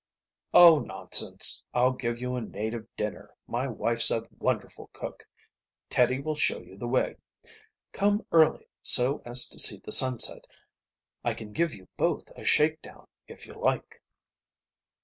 "Oh, nonsense. I'll give you a native dinner. My wife's a wonderful cook. Teddie will show you the way. Come early so as to see the sunset. I can give you both a shake down if you like."